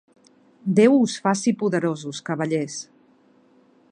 Déu us faci poderosos, cavallers.